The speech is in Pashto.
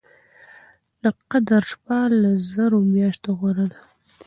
د قدر شپه له زرو مياشتو غوره ده